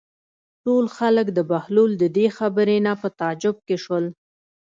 ټول خلک د بهلول د دې خبرو نه په تعجب کې شول.